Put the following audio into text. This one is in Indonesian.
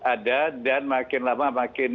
ada dan makin lama makin